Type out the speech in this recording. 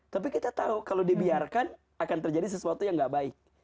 tapi kita tahu kalau dibiarkan akan terjadi sesuatu yang gak baik